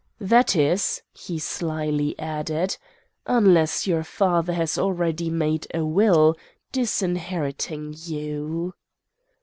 That is,' he slyly added, 'unless your father has already made a will, disinheriting you.